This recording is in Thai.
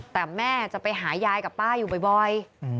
แต่แม่จะไปหายายกับป้าอยู่บ่อย